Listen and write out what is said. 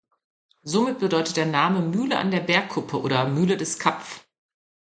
Somit bedeutet der Name "Mühle an der Bergkuppe" oder "Mühle des Kapf".